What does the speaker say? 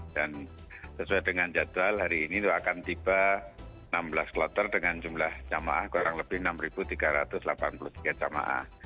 dan sesuai dengan jadwal hari ini akan tiba enam belas kloter dengan jumlah jemaah kurang lebih enam tiga ratus delapan puluh tiga jemaah